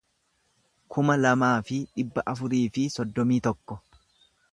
kuma lamaa fi dhibba afurii fi soddomii tokko